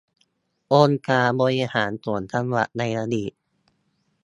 องค์การบริหารส่วนจังหวัดในอดีต